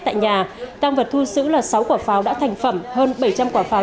tại nhà tăng vật thu giữ là sáu quả pháo đã thành phẩm hơn bảy trăm linh quả pháo